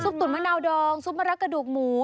ตุ๋นมะนาวดองซุปมะรักกระดูกหมู